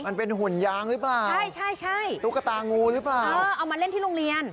มันเป็นห่วนยางหรือเปล่าตุ๊กกะตางูหรือเปล่าเออเอามาเล่นที่โรงเรียน